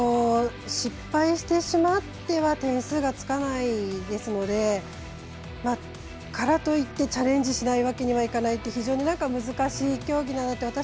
失敗してしまっては点数がつかないですのでだからといってチャレンジしないわけにはいかないという非常に難しい競技だなと。